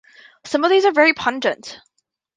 Some of these are very pungent.